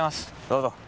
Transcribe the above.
どうぞ。